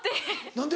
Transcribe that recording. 何で？